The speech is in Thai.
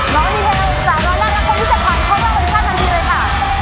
รอบนี้แม้๓รอบนี้จะผ่านเข้ารอบอื่นทันทีเลยค่ะ